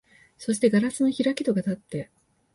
そして硝子の開き戸がたって、